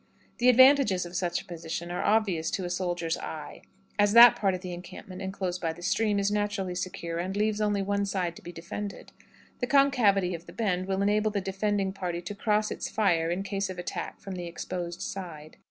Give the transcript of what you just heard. The advantages of such a position are obvious to a soldier's eye, as that part of the encampment inclosed by the stream is naturally secure, and leaves only one side to be defended. The concavity of the bend will enable the defending party to cross its fire in case of attack from the exposed side.